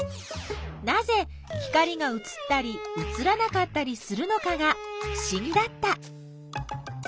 なぜ光がうつったりうつらなかったりするのかがふしぎだった。